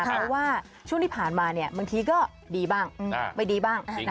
เพราะว่าช่วงที่ผ่านมาบางทีก็ดีบ้างไม่ดีบ้าง